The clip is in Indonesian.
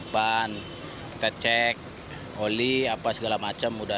ban tecek oli apa segala macam